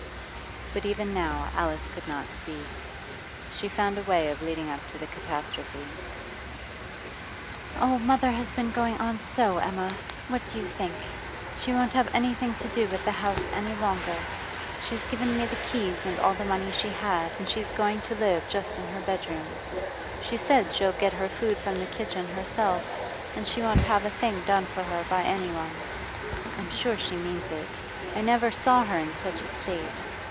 But even now Alice could not speak. She found a way of leading up to the catastrophe. 'Oh, mother has been going on so, Emma! What do you think? She won't have anything to do with the house any longer. She's given me the keys and all the money she had, and she's going to live just in her bedroom. She says she'll get her food from the kitchen herself, and she won't have a thing done for her by any one. I'm sure she means it; I never saw her in such a state.